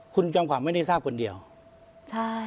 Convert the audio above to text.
คุณจอมขวัญไม่ได้ทราบคนเดียวใช่